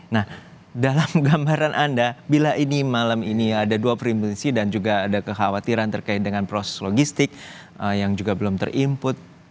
nah dalam gambaran anda bila ini malam ini ada dua primisi dan juga ada kekhawatiran terkait dengan proses logistik yang juga belum ter input